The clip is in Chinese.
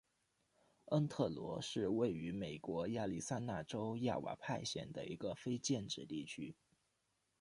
恩特罗是位于美国亚利桑那州亚瓦派县的一个非建制地区。